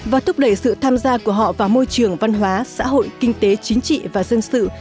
và thúc đẩy sự tham gia của họ vào môi trường văn hóa xã hội kinh tế chính trị và dân sự